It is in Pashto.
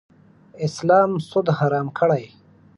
اسلام سود حرام کړی.